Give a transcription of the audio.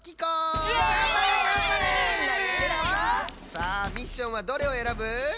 さあミッションはどれをえらぶ？